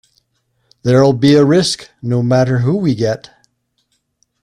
There’ll be a risk, no matter who we get.